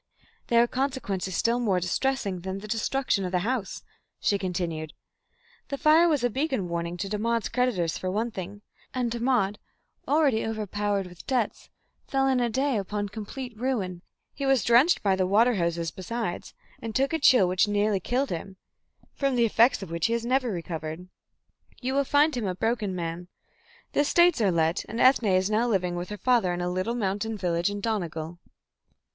"There were consequences still more distressing than the destruction of the house," she continued. "The fire was a beacon warning to Dermod's creditors for one thing, and Dermod, already overpowered with debts, fell in a day upon complete ruin. He was drenched by the water hoses besides, and took a chill which nearly killed him, from the effects of which he has never recovered. You will find him a broken man. The estates are let, and Ethne is now living with her father in a little mountain village in Donegal."